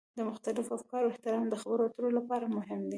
د مختلفو افکارو احترام د خبرو اترو لپاره مهم دی.